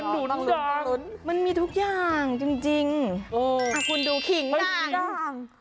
เออมันลุ้นมันลุ้นมันมีทุกอย่างจริงคุณดูขิงด่างไม่ขิงด่าง